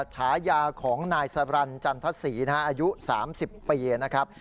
ฉายาของนายสรรจันทศรีนะฮะอายุ๓๐ปีนะครับ